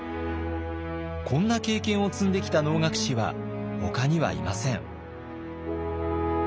こんな経験を積んできた能楽師はほかにはいません。